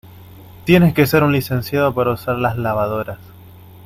tienes que ser un licenciado para usar las lavadoras.